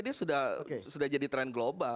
ini sudah jadi tren global